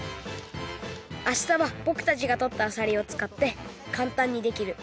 明日はぼくたちがとったあさりをつかってかんたんにできる